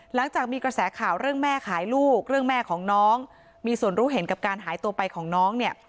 หลังจากมีกระแสข่าวเรื่องแม่ขายลูกเรื่องแม่ของน้องมีส่วนรู้เห็นกับการหายตัวไปของน้องเนี่ย